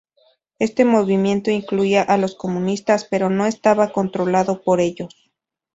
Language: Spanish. Este movimiento incluía a los comunistas pero no estaba controlado por ellos.